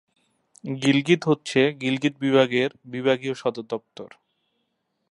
গিলগিত হচ্ছে গিলগিত বিভাগের বিভাগীয় সদর দপ্তর।